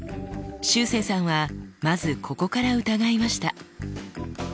しゅうせいさんはまずここから疑いました。